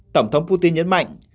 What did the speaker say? tổng thống putin nhấn mạnh